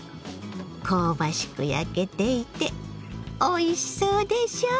香ばしく焼けていておいしそうでしょ！